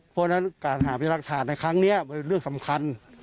เพราะฉะนั้นการหาพยากฐานในครั้งนี้เป็นเรื่องสำคัญ